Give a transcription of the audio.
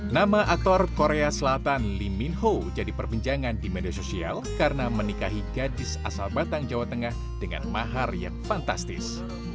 nama aktor korea selatan lee min ho jadi perbincangan di media sosial karena menikahi gadis asal batang jawa tengah dengan mahar yang fantastis